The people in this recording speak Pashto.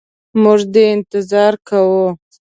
موږ دي انتظار کوو.